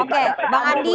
oke bang andi